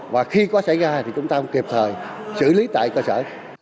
và khi có xảy ra thì chúng ta cũng kịp thời xử lý tại cơ sở